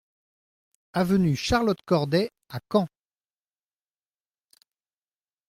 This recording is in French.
Avenue Charlotte Corday à Caen